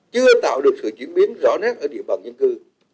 chưa tạo được sự chuyển biến rõ nát ở địa bàn nhân cư